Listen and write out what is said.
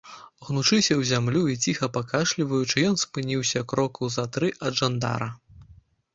Гнучыся ў зямлю і ціха пакашліваючы, ён спыніўся крокаў за тры ад жандара.